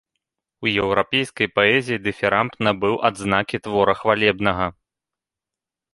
У еўрапейскай паэзіі дыфірамб набыў адзнакі твора хвалебнага.